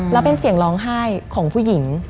แล้วเป็นเสียงร้องไห้ของผู้หญิง